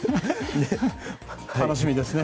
楽しみですね。